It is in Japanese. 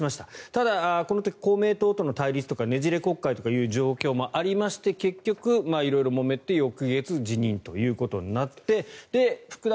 ただ、この時公明党との対立とかねじれ国会という状況もありまして結局、色々もめて翌月辞任ということになって福田